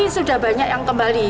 sudah pusing aku sampai